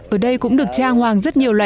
ở đây cũng được trang hoàng rất nhiều loại